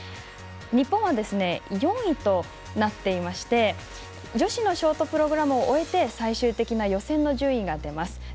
日本は４位となっていまして女子ショートプログラムを終えて最終的な予選の順位が出ます。